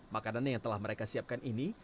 makanan yang telah mereka siapkan ini